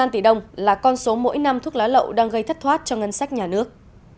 một năm tỷ đồng là con số mỗi năm thuốc lá lậu đang gây thất thoát cho ngân sách nhà nước